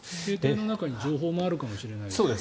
携帯の中に情報もあるかもしれないね。